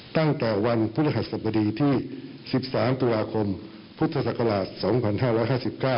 ตั้งแต่วันพฤหัสสบดีที่๑๓ตุลาคมพุทธศักราช๒๕๕๙